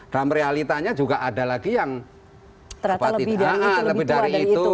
dalam realitanya juga ada lagi yang lebih dari itu